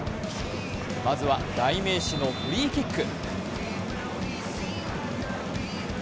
まずは代名詞のフリーキック。